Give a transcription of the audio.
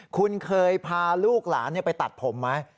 คุณเคยพาลูกหลานไปตัดผมไหม